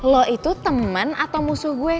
lo itu teman atau musuh gue